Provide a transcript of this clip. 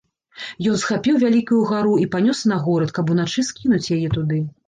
Ён схапіў вялікую гару і панёс на горад, каб уначы скінуць яе туды.